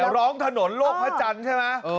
ร้องถนนโลกพระจันทร์ใช่ไหม